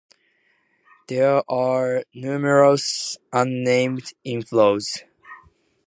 There are numerous unnamed inflows.